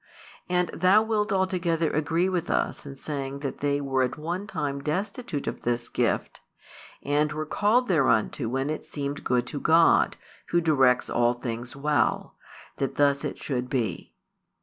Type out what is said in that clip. And thou wilt altogether agree with us in saying that they were at one time destitute of this gift, and were called thereunto when it seemed good to God, Who directs all things well, that thus it should be.